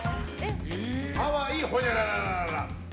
ハワイほにゃらら。